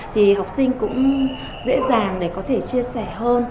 thì học sinh cũng dễ dàng để có thể chia sẻ hơn